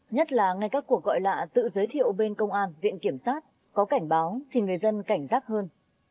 nhất là ngay các cuộc gọi lạ tự giới thiệu bên công an viện kiểm sát có cảnh báo thì người dân cảnh giác hơn